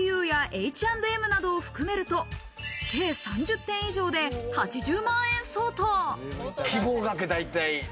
他にもＧＵやＨ＆Ｍなどを含めると、計３０点以上で８０万円相当。